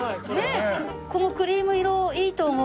このクリーム色いいと思う。